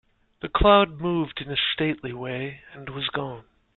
The cloud moved in a stately way and was gone.